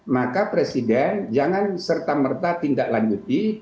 maka presiden jangan serta merta tindak lanjuti